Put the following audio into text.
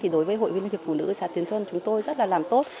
đối với hội viên liên hiệp phụ nữ xã tiến xuân chúng tôi rất là làm tốt